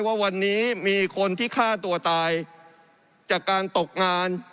ว่าวันนี้มีคนที่ฆ่าตัวตายจากการตกงาน